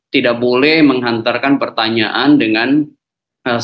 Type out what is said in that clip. tidak boleh menghantarkan pertanyaan dengan saya